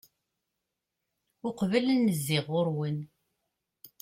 uqbel ad n-zziɣ ɣur-wen